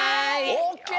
オッケー！